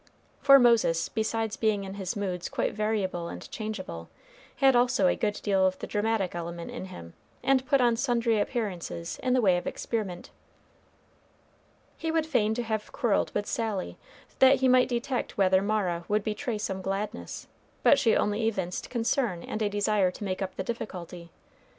For Moses, besides being in his moods quite variable and changeable, had also a good deal of the dramatic element in him, and put on sundry appearances in the way of experiment. He would feign to have quarreled with Sally, that he might detect whether Mara would betray some gladness; but she only evinced concern and a desire to make up the difficulty.